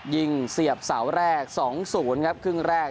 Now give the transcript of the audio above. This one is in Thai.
ยิงเสียบเสาแรกสองศูนย์ครับครึ่งแรก